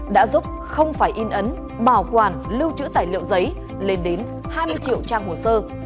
đã giúp không phải in ấn bảo quản lưu trữ tài liệu giấy lên đến hai mươi triệu trang hồ sơ